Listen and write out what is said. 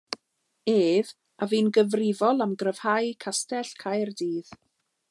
Ef a fu'n gyfrifol am gryfhau Castell Caerdydd.